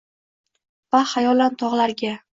Va xayolan togʼlarga